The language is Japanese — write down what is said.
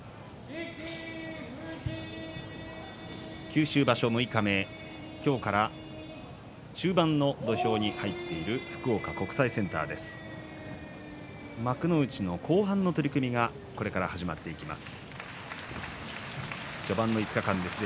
九州場所六日目今日から中盤の土俵に入っている福岡国際センターです。